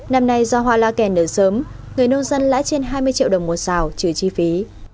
năm nay do hoa lá kèn nở sớm người nông dân lãi trên hai mươi triệu đồng một xào trừ chi phí